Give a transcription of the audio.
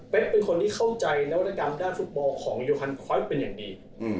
เป็นคนที่เข้าใจนวัตกรรมด้านฟุตบอลของโยฮันคอสเป็นอย่างดี